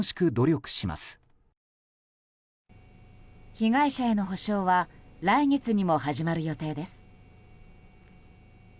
被害者への補償は来月にも始まる予定です。